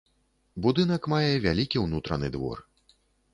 Будынак мае вялікі ўнутраны двор.